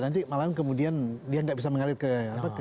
nanti malah kemudian dia tidak bisa mengalir ke apa ke